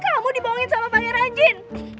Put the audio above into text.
kamu dibohongin sama pangeran jin